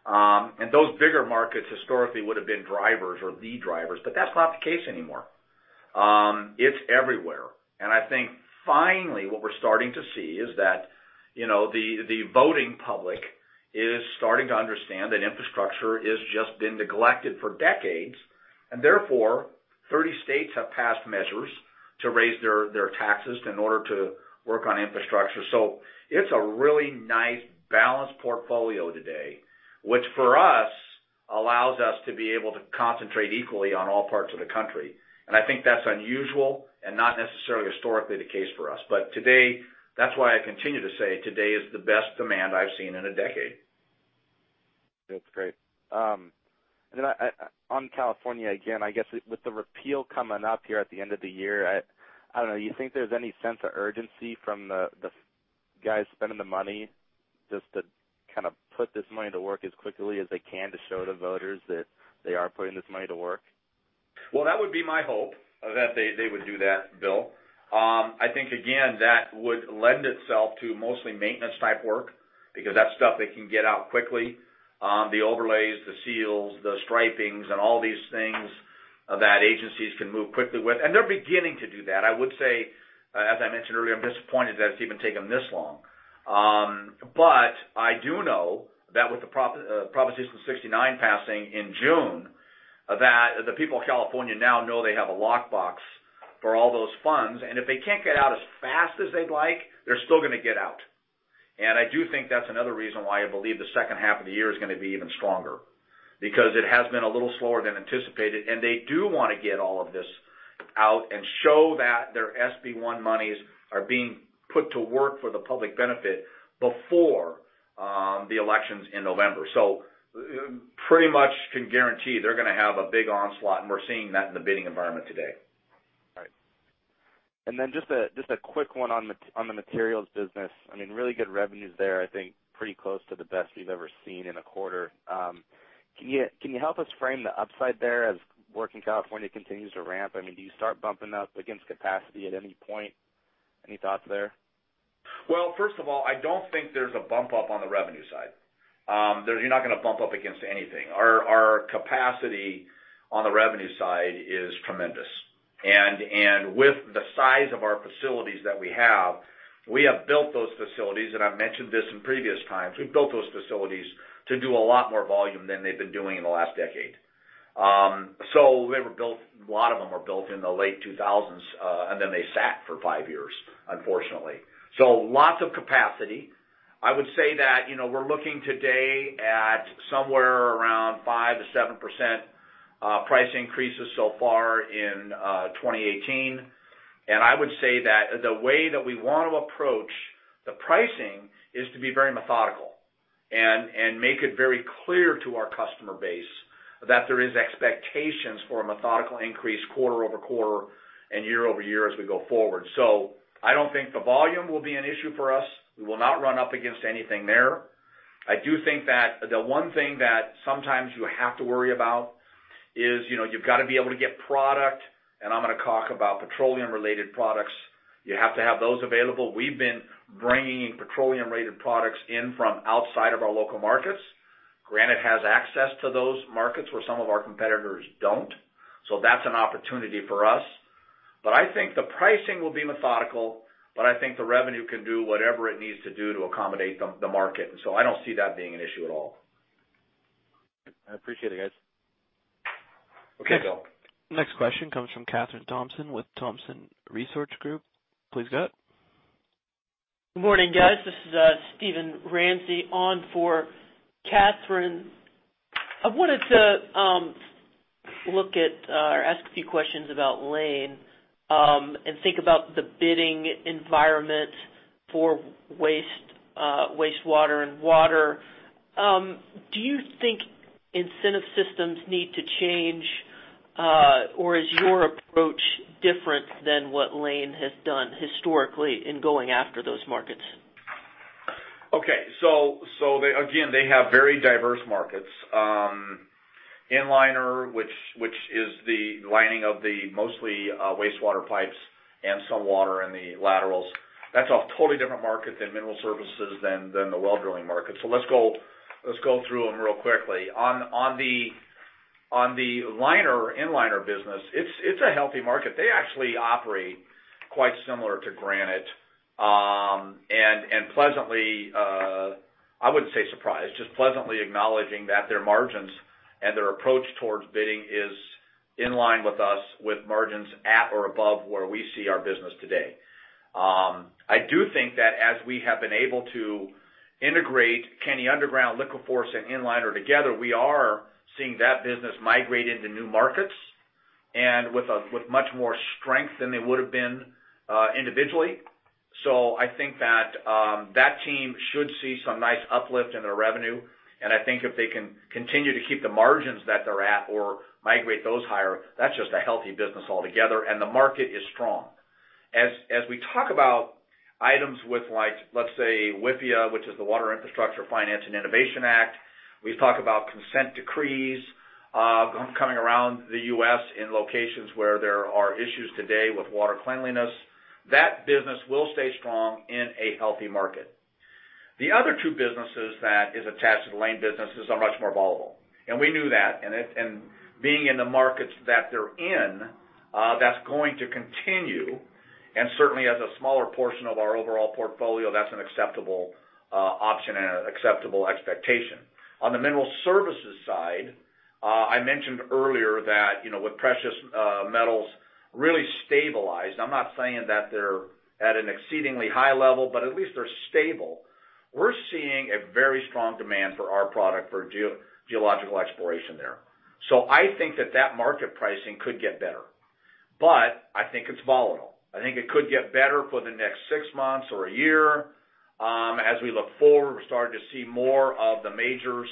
And those bigger markets historically would have been drivers or the drivers, but that's not the case anymore. It's everywhere. And I think finally what we're starting to see is that the voting public is starting to understand that infrastructure has just been neglected for decades. And therefore, 30 states have passed measures to raise their taxes in order to work on infrastructure. So it's a really nice balanced portfolio today, which for us allows us to be able to concentrate equally on all parts of the country. And I think that's unusual and not necessarily historically the case for us. But today, that's why I continue to say today is the best demand I've seen in a decade. That's great. And then on California, again, I guess with the repeal coming up here at the end of the year, I don't know. Do you think there's any sense of urgency from the guys spending the money just to kind of put this money to work as quickly as they can to show the voters that they are putting this money to work? Well, that would be my hope that they would do that, Bill. I think, again, that would lend itself to mostly maintenance-type work because that's stuff they can get out quickly. The overlays, the seals, the stripings, and all these things that agencies can move quickly with. And they're beginning to do that. I would say, as I mentioned earlier, I'm disappointed that it's even taken this long. But I do know that with the Proposition 69 passing in June, that the people of California now know they have a lockbox for all those funds. And if they can't get out as fast as they'd like, they're still going to get out. And I do think that's another reason why I believe the second half of the year is going to be even stronger because it has been a little slower than anticipated. And they do want to get all of this out and show that their SB 1 monies are being put to work for the public benefit before the elections in November. So pretty much can guarantee they're going to have a big onslaught, and we're seeing that in the bidding environment today. Right. And then just a quick one on the materials business. I mean, really good revenues there, I think pretty close to the best we've ever seen in a quarter. Can you help us frame the upside there as work in California continues to ramp? I mean, do you start bumping up against capacity at any point? Any thoughts there? Well, first of all, I don't think there's a bump up on the revenue side. You're not going to bump up against anything. Our capacity on the revenue side is tremendous. And with the size of our facilities that we have, we have built those facilities, and I've mentioned this in previous times, we've built those facilities to do a lot more volume than they've been doing in the last decade. So a lot of them were built in the late 2000s, and then they sat for five years, unfortunately. So lots of capacity. I would say that we're looking today at somewhere around 5%-7% price increases so far in 2018. I would say that the way that we want to approach the pricing is to be very methodical and make it very clear to our customer base that there are expectations for a methodical increase quarter over quarter and year over year as we go forward. So I don't think the volume will be an issue for us. We will not run up against anything there. I do think that the one thing that sometimes you have to worry about is you've got to be able to get product, and I'm going to talk about petroleum-related products. You have to have those available. We've been bringing petroleum-related products in from outside of our local markets. Granite has access to those markets where some of our competitors don't. So that's an opportunity for us. But I think the pricing will be methodical, but I think the revenue can do whatever it needs to do to accommodate the market. And so I don't see that being an issue at all. I appreciate it, guys. Okay, Bill. Next question comes from Kathryn Thompson with Thompson Research Group. Please go ahead. Good morning, guys. This is Steven Ramsey on for Kathryn. I wanted to look at or ask a few questions about Layne and think about the bidding environment for wastewater and water. Do you think incentive systems need to change, or is your approach different than what Layne has done historically in going after those markets? Okay. So again, they have very diverse markets. Inliner, which is the lining of the mostly wastewater pipes and some water in the laterals, that's a totally different market than mineral services, than the well drilling market. So let's go through them real quickly. On the Liner, Inliner business, it's a healthy market. They actually operate quite similar to Granite. And pleasantly, I wouldn't say surprised, just pleasantly acknowledging that their margins and their approach towards bidding is in line with us with margins at or above where we see our business today. I do think that as we have been able to integrate Kenny Underground, LiquiForce, and Inliner together, we are seeing that business migrate into new markets and with much more strength than they would have been individually. So I think that that team should see some nice uplift in their revenue. And I think if they can continue to keep the margins that they're at or migrate those higher, that's just a healthy business altogether. And the market is strong. As we talk about items with, let's say, WIFIA, which is the Water Infrastructure Finance and Innovation Act, we've talked about consent decrees coming around the U.S. in locations where there are issues today with water cleanliness. That business will stay strong in a healthy market. The other two businesses that are attached to the Layne businesses are much more volatile. We knew that. Being in the markets that they're in, that's going to continue. Certainly, as a smaller portion of our overall portfolio, that's an acceptable option and an acceptable expectation. On the mineral services side, I mentioned earlier that with precious metals really stabilized, I'm not saying that they're at an exceedingly high level, but at least they're stable. We're seeing a very strong demand for our product for geological exploration there. So I think that that market pricing could get better. But I think it's volatile. I think it could get better for the next six months or a year. As we look forward, we're starting to see more of the majors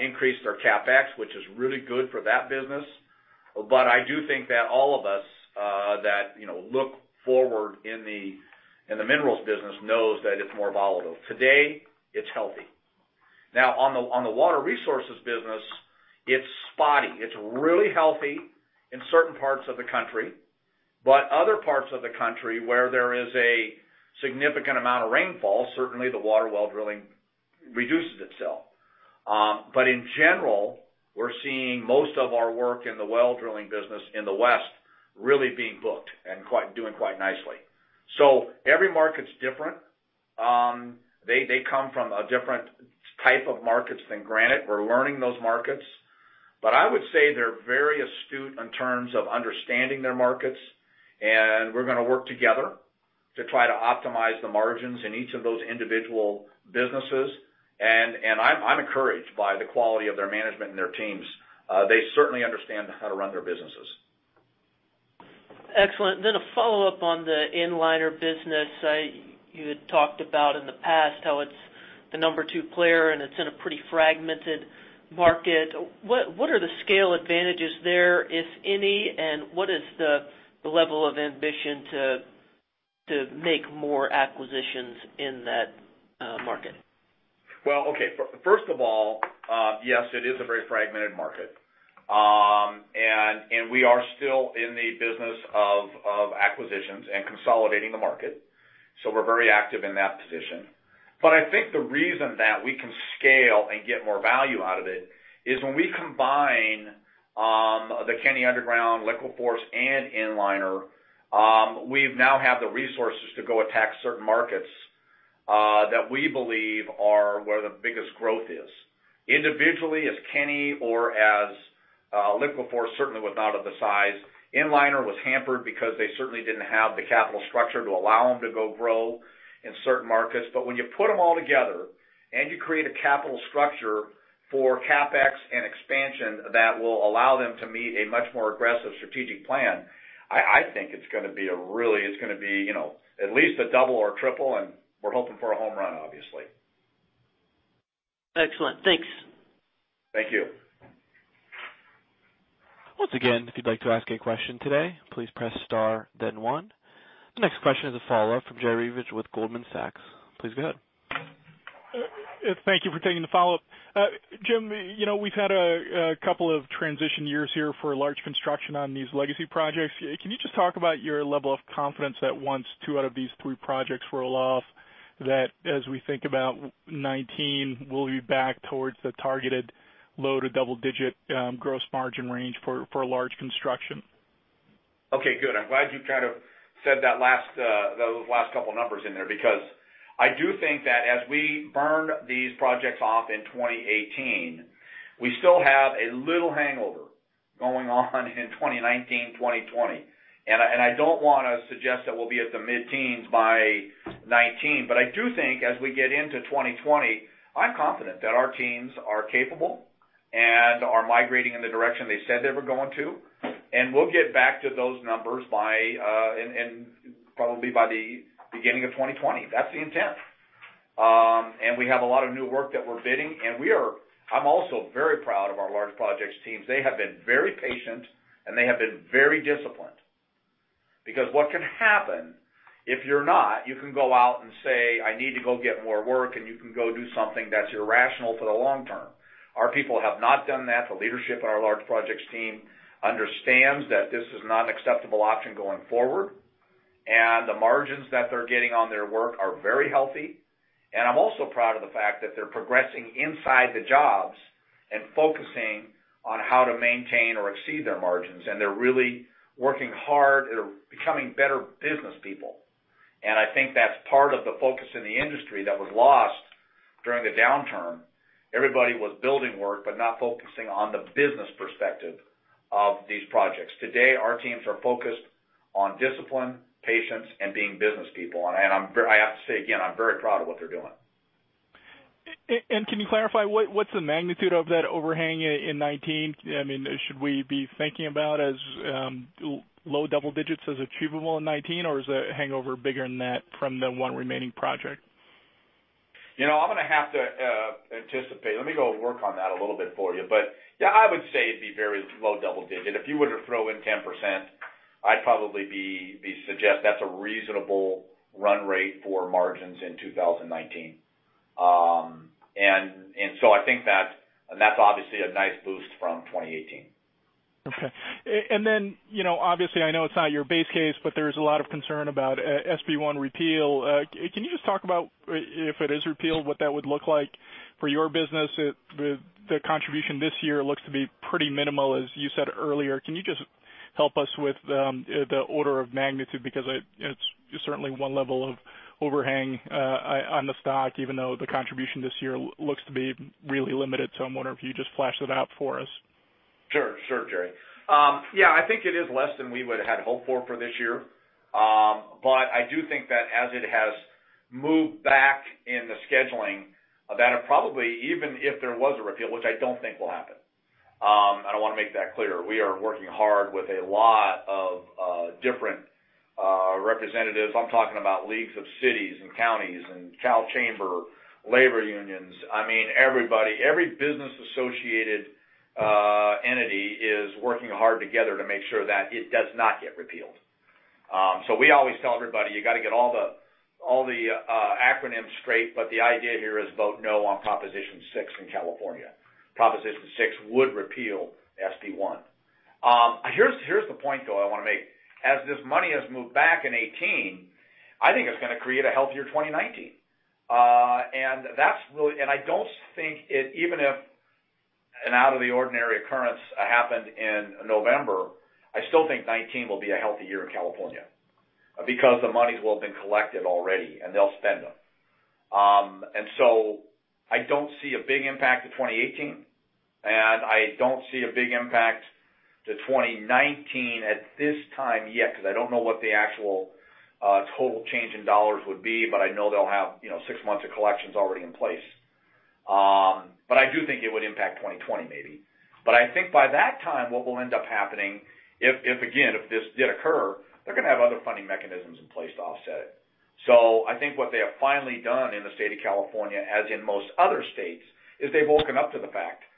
increase their CapEx, which is really good for that business. But I do think that all of us that look forward in the minerals business knows that it's more volatile. Today, it's healthy. Now, on the water resources business, it's spotty. It's really healthy in certain parts of the country. But other parts of the country where there is a significant amount of rainfall, certainly the water well drilling reduces itself. But in general, we're seeing most of our work in the well drilling business in the west really being booked and doing quite nicely. So every market's different. They come from a different type of markets than Granite. We're learning those markets. But I would say they're very astute in terms of understanding their markets. We're going to work together to try to optimize the margins in each of those individual businesses. I'm encouraged by the quality of their management and their teams. They certainly understand how to run their businesses. Excellent. A follow-up on the Inliner business. You had talked about in the past how it's the number two player and it's in a pretty fragmented market. What are the scale advantages there, if any? And what is the level of ambition to make more acquisitions in that market? Well, okay. First of all, yes, it is a very fragmented market. We are still in the business of acquisitions and consolidating the market. We're very active in that position. But I think the reason that we can scale and get more value out of it is when we combine the Kenny Underground, LiquiForce, and Inliner, we now have the resources to go attack certain markets that we believe are where the biggest growth is. Individually, as Kenny or as LiquiForce, certainly was not of the size. Inliner was hampered because they certainly didn't have the capital structure to allow them to go grow in certain markets. But when you put them all together and you create a capital structure for CapEx and expansion that will allow them to meet a much more aggressive strategic plan, I think it's going to be at least a double or triple, and we're hoping for a home run, obviously. Excellent. Thanks. Thank you. Once again, if you'd like to ask a question today, please press star, then one. The next question is a follow-up from Jerry Revich with Goldman Sachs. Please go ahead. Thank you for taking the follow-up. Jim, we've had a couple of transition years here for large construction on these legacy projects. Can you just talk about your level of confidence that once two out of these three projects roll off, that as we think about 2019, we'll be back towards the targeted low to double-digit gross margin range for large construction? Okay, good. I'm glad you kind of said those last couple of numbers in there because I do think that as we burn these projects off in 2018, we still have a little hangover going on in 2019, 2020. And I don't want to suggest that we'll be at the mid-teens by 2019. But I do think as we get into 2020, I'm confident that our teams are capable and are migrating in the direction they said they were going to. And we'll get back to those numbers by and probably by the beginning of 2020. That's the intent. And we have a lot of new work that we're bidding. And I'm also very proud of our large projects teams. They have been very patient, and they have been very disciplined. Because what can happen if you're not, you can go out and say, "I need to go get more work," and you can go do something that's irrational for the long term. Our people have not done that. The leadership in our large projects team understands that this is not an acceptable option going forward. And the margins that they're getting on their work are very healthy. I'm also proud of the fact that they're progressing inside the jobs and focusing on how to maintain or exceed their margins. They're really working hard. They're becoming better business people. I think that's part of the focus in the industry that was lost during the downturn. Everybody was building work, but not focusing on the business perspective of these projects. Today, our teams are focused on discipline, patience, and being business people. I have to say again, I'm very proud of what they're doing. Can you clarify what's the magnitude of that overhang in 2019? I mean, should we be thinking about as low double digits as achievable in 2019, or is the hangover bigger than that from the one remaining project? I'm going to have to anticipate. Let me go work on that a little bit for you. But yeah, I would say it'd be very low double digit. If you were to throw in 10%, I'd probably suggest that's a reasonable run rate for margins in 2019. And so I think that's obviously a nice boost from 2018. Okay. And then, obviously, I know it's not your base case, but there's a lot of concern about SB 1 repeal. Can you just talk about, if it is repealed, what that would look like for your business? The contribution this year looks to be pretty minimal, as you said earlier. Can you just help us with the order of magnitude? Because it's certainly one level of overhang on the stock, even though the contribution this year looks to be really limited. So I'm wondering if you just flesh that out for us. Sure. Sure, Jerry. Yeah, I think it is less than we would have hoped for for this year. But I do think that as it has moved back in the scheduling, that it probably, even if there was a repeal, which I don't think will happen. I don't want to make that clear. We are working hard with a lot of different representatives. I'm talking about leagues of cities and counties and CalChamber, labor unions. I mean, everybody, every business-associated entity is working hard together to make sure that it does not get repealed. So we always tell everybody, "You got to get all the acronyms straight, but the idea here is vote no on Proposition 6 in California. Proposition 6 would repeal SB 1." Here's the point, though, I want to make. As this money has moved back in 2018, I think it's going to create a healthier 2019. And I don't think it, even if an out-of-the-ordinary occurrence happened in November, I still think 2019 will be a healthy year in California because the monies will have been collected already, and they'll spend them. And so I don't see a big impact to 2018. And I don't see a big impact to 2019 at this time yet because I don't know what the actual total change in dollars would be, but I know they'll have six months of collections already in place. But I do think it would impact 2020, maybe. But I think by that time, what will end up happening, if again, if this did occur, they're going to have other funding mechanisms in place to offset it. So I think what they have finally done in the state of California, as in most other states, is they've woken up to the fact that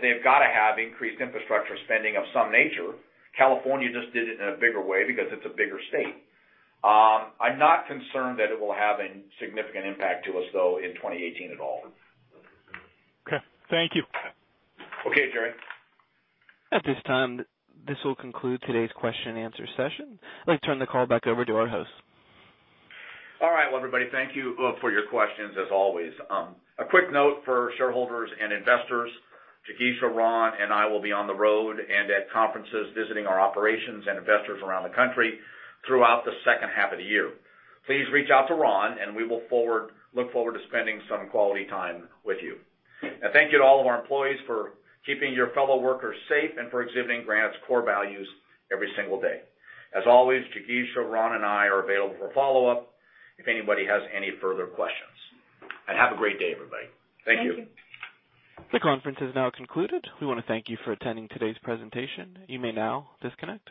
they've got to have increased infrastructure spending of some nature. California just did it in a bigger way because it's a bigger state. I'm not concerned that it will have a significant impact to us, though, in 2018 at all. Okay. Thank you. Okay, Jerry. At this time, this will conclude today's question-and-answer session. Let me turn the call back over to our host. All right. Well, everybody, thank you for your questions, as always. A quick note for shareholders and investors. Jigisha, Ron, and I will be on the road and at conferences visiting our operations and investors around the country throughout the second half of the year. Please reach out to Ron, and we will look forward to spending some quality time with you. Thank you to all of our employees for keeping your fellow workers safe and for exhibiting Granite's core values every single day. As always, Jigisha, Ron, and I are available for follow-up if anybody has any further questions. Have a great day, everybody. Thank you. Thank you. The conference is now concluded. We want to thank you for attending today's presentation. You may now disconnect.